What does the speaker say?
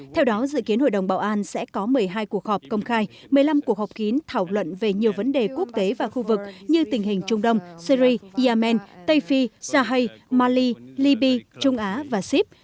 theo đó dự kiến hội đồng bảo an sẽ có một mươi hai cuộc họp công khai một mươi năm cuộc họp kín thảo luận về nhiều vấn đề quốc tế và khu vực như tình hình trung đông syri yemen tây phi sahai mali libya trung á và sip